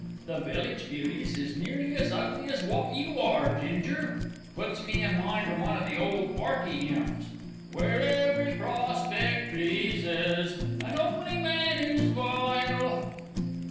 The village beauties is nearly as ugly as wot you are, Ginger. Puts me in mind o' one of the ole 'Earty 'ymns: "Where every prospect pleases, And only man is vile."